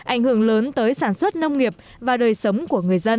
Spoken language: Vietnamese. ảnh hưởng lớn tới sản xuất nông nghiệp và đời sống của người dân